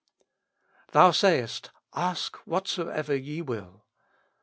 Thou sayest: As^ whatsoever ye will!